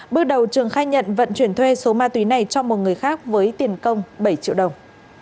bước đầu trường khai nhận vận chuyển thuê số ma túy này cho một người khác với tiền công bảy triệu đồng